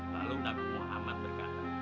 lalu nabi muhammad berkata